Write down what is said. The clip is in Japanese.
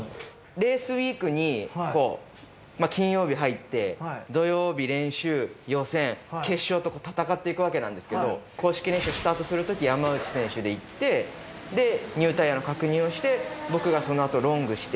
レースウィークに金曜日入って土曜日練習予選決勝と戦っていくわけなんですけど公式練習スタートするとき山内選手でいってでニュータイヤの確認をして僕がそのあとロングして。